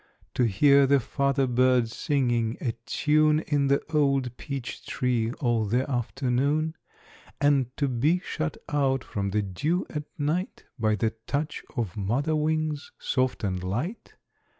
To hear the father bird singing, a tune In the old peach tree all the afternoon, And to be shut out from the dew at night By the touch of mother wings, soft and light?